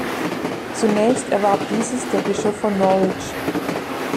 Zunächst erwarb dieses der Bischof von Norwich.